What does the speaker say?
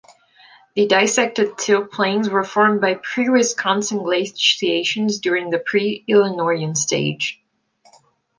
The Dissected Till Plains were formed by pre-Wisconsin glaciations during the Pre-Illinoian Stage.